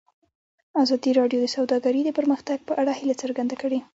ازادي راډیو د سوداګري د پرمختګ په اړه هیله څرګنده کړې.